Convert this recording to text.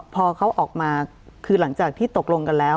พอเขาออกมาคือหลังจากที่ตกลงกันแล้ว